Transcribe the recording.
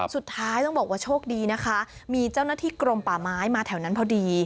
สุดท้ายต้องบอกว่าโชคดีนะคะมีเจ้าหน้าที่กรมป่าไม้มาแถวนั้นพอดี